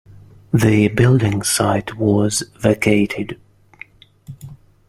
The building site was vacated.